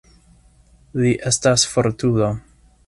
Li estas fortulo.